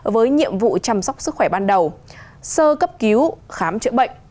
với nhiệm vụ chăm sóc sức khỏe ban đầu sơ cấp cứu khám chữa bệnh